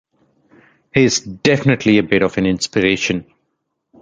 He's definitely a bit of an inspiration!